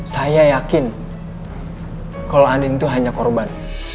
saya yakin kalau andin itu hanya korban